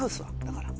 だから。